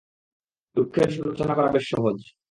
দুঃখের সুর রচনা করা বেশ সহজ।